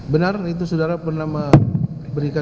benar itu sudara pernah memberikan uang